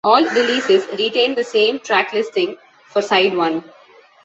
"All releases retained the same track listing for side one"